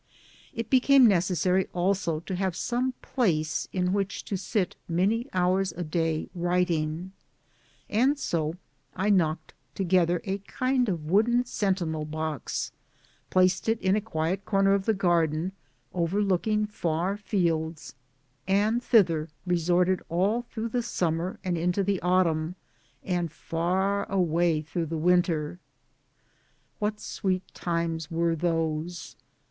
It became necessary also to have some place in which to sit many hours a day writing and so I knocked together a kind of wooden sentinel box, placed it in a quiet corner of the garden, overlooking far fields, and thither resorted all through the summer, and into the autumn, and far away through the winter. What sweet times were those